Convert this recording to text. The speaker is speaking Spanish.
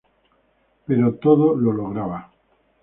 Pero todo lo lograba.